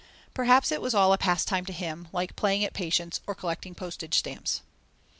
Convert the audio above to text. Perhaps it was all a pastime for him, like playing at patience, or collecting postage stamps?